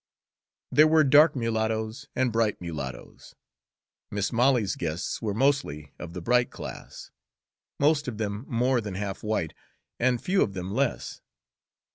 There were dark mulattoes and bright mulattoes. Mis' Molly's guests were mostly of the bright class, most of them more than half white, and few of them less.